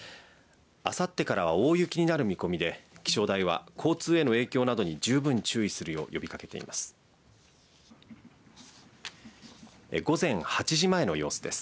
あさってからは大雪になる見込みで気象台は交通への影響などに十分注意するよう呼びかけています。